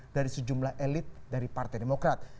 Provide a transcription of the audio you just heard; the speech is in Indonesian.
dari sejumlah elit dari partai demokrat